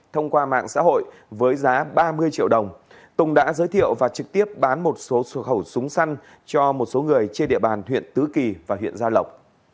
thông qua mạng xã hội với giá ba mươi triệu đồng tùng đã giới thiệu và trực tiếp bán một số xuột khẩu súng săn cho một số người trên địa bàn huyện tứ kỳ và huyện gia lộc